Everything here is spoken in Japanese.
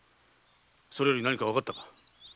それより何かわかったか？